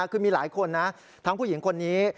คือมีหลายคนนะทั้งผู้หญิงคนนี้